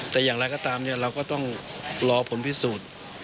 แต่อย่างไรก็ตามเราก็ต้องรอผลพิสูจน์